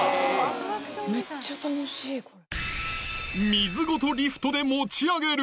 めっちゃ楽しいこれ。